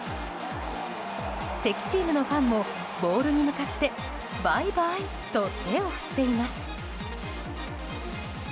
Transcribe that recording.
敵チームのファンもボールに向かってバイバイと手を振っています。